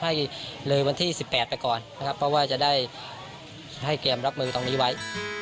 ให้เลยวันที่๑๘ไปก่อนนะครับเพราะว่าจะได้ให้เกมรับมือตรงนี้ไว้